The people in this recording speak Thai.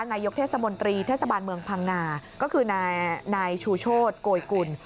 นายกเทศมนตรีเทศบาลเมืองพังงาก็คือนายชูโชธโกยกุล